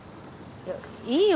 いやいいよ